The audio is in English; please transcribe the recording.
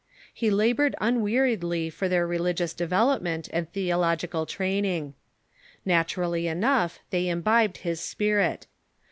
He labored unweariedly for their religious devel opment and theological training. Naturally enough, they imbibed his spirit.